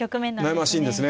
悩ましいんですね。